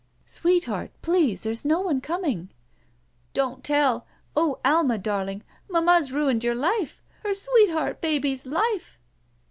Sweetheart, please, there's no one coming." Don't tell! Oh, Ahna darling — mamma's ruined your life! Her sweetheart baby's life."